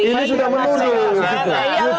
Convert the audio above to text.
ini sudah menuduh